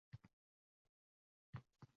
Olisdagi tog’larga